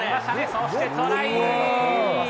そしてトライ。